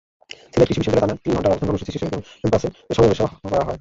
সিলেট কৃষি বিশ্ববিদ্যালয়ে টানা তিন ঘণ্টার অবস্থান কর্মসূচি শেষে ক্যাম্পাসে সমাবেশও করা হয়।